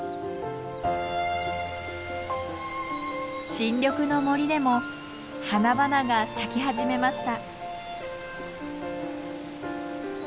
新緑の森でも花々が咲き始めました。